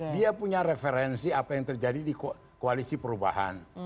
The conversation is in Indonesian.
dia punya referensi apa yang terjadi di koalisi perubahan